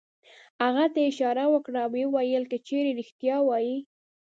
هغه ته یې اشاره وکړه او ویې ویل: که چېرې رېښتیا وایې.